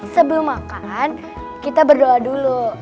sebelum makan kita berdoa dulu